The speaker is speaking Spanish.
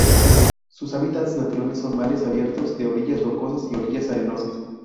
Sus hábitats naturales son mares abiertos, de orillas rocosas, y orillas arenosas.